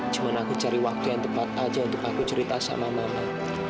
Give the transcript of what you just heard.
cuma aku cari waktu yang tepat aja untuk aku cerita sama mama